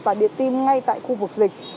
và điện tim ngay tại khu vực dịch